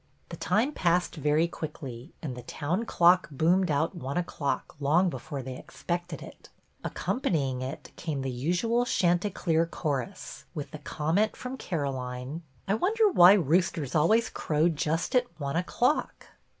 The time passed very quickly, and the town clock boomed out one o'clock long before they expected it; accompanying it came the usual chan ticleer chorus, with the comment from Caro line, —" I wonder why roosters always crow just at one o'clock."